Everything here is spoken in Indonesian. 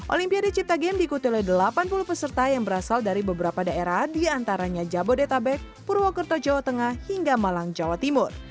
olimpiade cipta game diikuti oleh delapan puluh peserta yang berasal dari beberapa daerah diantaranya jabodetabek purwokerto jawa tengah hingga malang jawa timur